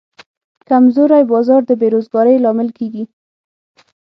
کمزوری بازار د بیروزګارۍ لامل کېږي.